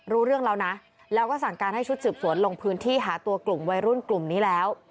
รู้เรื่องแล้วนะแล้วก็สั่งการให้ชุดสืบสวนลงพื้นที่หาตัวกลุ่มวัยรุ่นกลุ่มนี้แล้ว